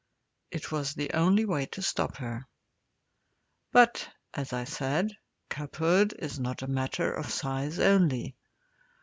It was the only way to stop her. But, as I said, cubhood is not a matter of size only.